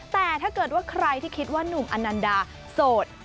แต่ถ้าเกิดว่าใครที่คิดว่านุ่มอนันดาโสด